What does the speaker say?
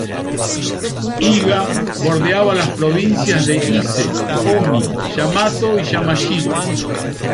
Iga bordeaba las provincias de Ise, Ōmi, Yamato, y Yamashiro.